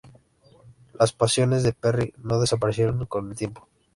Las pasiones de Perry no desaparecieron con el tiempo.